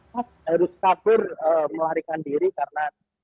pas heru sikapur melarikan diri karena